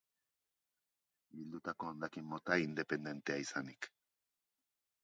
Bildutako hondakin mota independentea izanik.